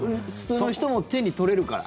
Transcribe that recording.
そういう人も手に取れるから。